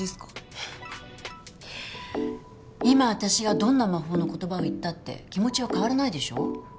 フッ今私がどんな魔法の言葉を言ったって気持ちは変わらないでしょ？